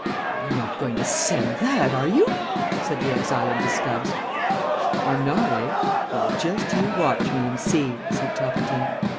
"You're not going to send that, are you?" said the exile in disgust. "I'm not, eh? Well just you watch me and see," said Toppleton.